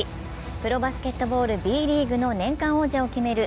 プロバスケットボールＢリーグの年間王者を決める